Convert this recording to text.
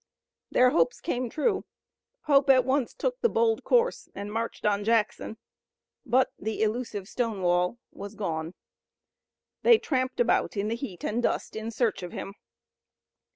Their hopes came true. Pope at once took the bold course, and marched on Jackson, but the elusive Stonewall was gone. They tramped about in the heat and dust in search of him.